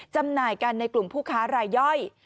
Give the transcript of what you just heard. จำหน่ายกันในกลุ่มผู้ค้ารายย่อย